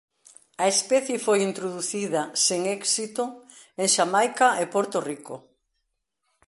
A especie foi introducida sen éxito en Xamaica e Porto Rico.